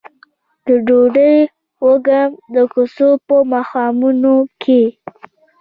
د ډوډۍ وږم د کوڅو په ماښامونو کې